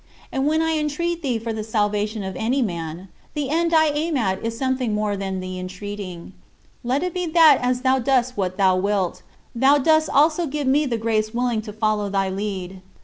And when I entreat thee for the salvation of any man, the end I aim at is something more than the entreating: let it be that as thou dost what thou wilt, thou dost also give me the grace willingly to follow thy lead.